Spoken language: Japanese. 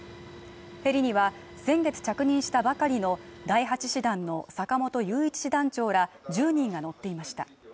ヘリには前月着任したばかりの第８師団の坂本雄一師団長ら１０人が乗っていました。